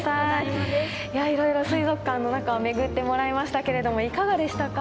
いろいろ水族館の中を巡ってもらいましたけれどもいかがでしたか？